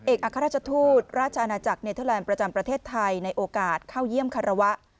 อัครราชทูตราชอาณาจักรเนเทอร์แลนด์ประจำประเทศไทยในโอกาสเข้าเยี่ยมคารวะ